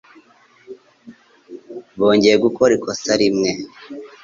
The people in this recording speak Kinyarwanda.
Bongeye gukora ikosa rimwe.